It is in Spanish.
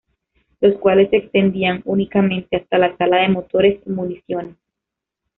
Los cuales, se extendían únicamente hasta la sala de motores y municiones.